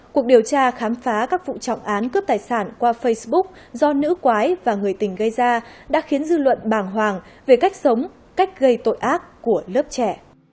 cuộc điều tra khám phá các vụ trọng án cướp tài sản qua facebook do nữ quái và người tình gây ra đã khiến dư luận bàng hoàng về cách sống cách gây tội ác của lớp trẻ